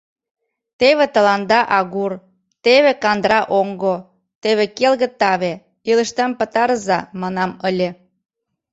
Теве тыланда агур, теве кандыра оҥго, теве келге таве — илышдам пытарыза, манам ыле...